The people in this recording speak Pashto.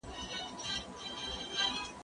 زه به سبا ته فکر وکړم؟